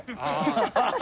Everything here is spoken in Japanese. ハハハハ。